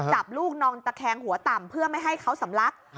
จับลูกนอนตะแคงหัวต่ำเพื่อไม่ให้เขาสำลัก